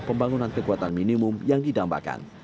pembangunan kekuatan minimum yang didambakan